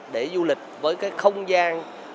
để du lịch với cái không gian